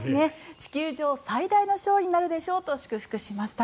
地球上最大のショーになるでしょうと祝福しました。